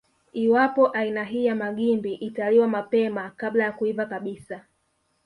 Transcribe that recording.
Iwapo aina hii ya magimbi italiwa mapema kabla ya kuiva kabisa